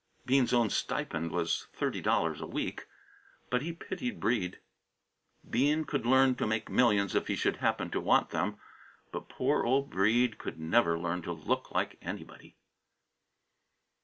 Bean's own stipend was thirty dollars a week, but he pitied Breede. Bean could learn to make millions if he should happen to want them; but poor old Breede could never learn to look like anybody.